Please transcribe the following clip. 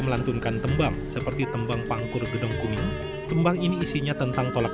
melantunkan tembang seperti tembang pangkur gedong kuning tembang ini isinya tentang tolak